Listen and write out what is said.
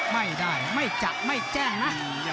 ไม่ได้ไม่จับไม่แจ้งนะ